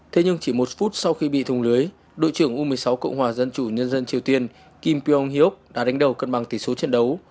thế nhưng chỉ một phút sau khi bị thùng lưới đội trưởng u một mươi sáu cộng hòa dân chủ nhân dân triều tiên kim pyeong hiok đã đánh đầu cân bằng tỷ số trận đấu